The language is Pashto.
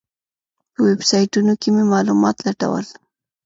په ویبسایټونو کې مې معلومات لټول.